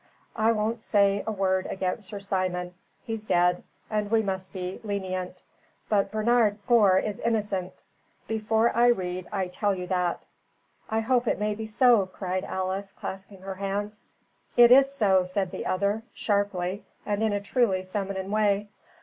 I won't say a word against Sir Simon. He's dead, and we must be lenient. But Bernard Gore is innocent. Before I read I tell you that." "I hope it may be so," cried Alice, clasping her hands. "It is so," said the other, sharply and in a truly feminine way.